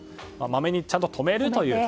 まめにちゃんと止めると。